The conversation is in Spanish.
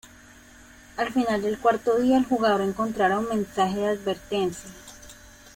Al final del cuarto día, el jugador encontrará un mensaje de advertencia.